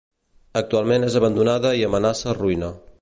Actualment és abandonada i amenaça ruïna.